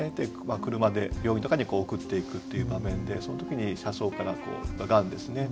車で病院とかに送っていくという場面でその時に車窓から雁ですね